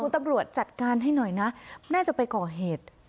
พวกตำรวจจัดการให้หน่อยนะมันก็หน้าจะไปก่อเหตุ